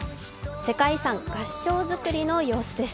世界遺産・合掌造りの様子です。